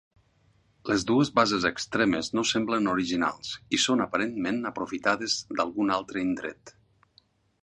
Les dues bases extremes no semblen originals i són aparentment aprofitades d'algun altre indret.